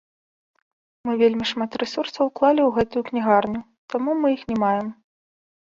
Мы вельмі шмат рэсурсаў уклалі ў гэтую кнігарню, таму мы іх не маем.